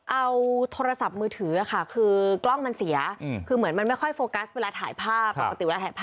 เอาโทรศัพท์มือถือค่ะคือกล้องมันเสียคือเหมือนมันไม่ค่อยโฟกัสเวลาถ่ายภาพ